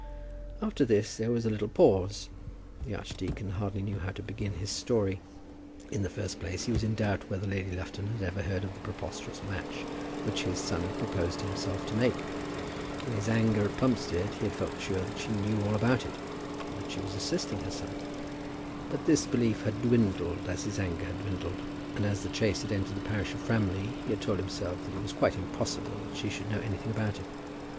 After this there was a little pause. The archdeacon hardly knew how to begin his story. In the first place he was in doubt whether Lady Lufton had ever heard of the preposterous match which his son had proposed to himself to make. In his anger at Plumstead he had felt sure that she knew all about it, and that she was assisting his son. But this belief had dwindled as his anger had dwindled; and as the chaise had entered the parish of Framley he had told himself that it was quite impossible that she should know anything about it.